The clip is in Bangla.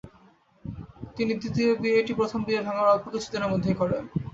তিনি দ্বিতীয় বিয়েটি প্রথম বিয়ে ভাঙার অল্প কিছুদিনের মধ্যেই করেন।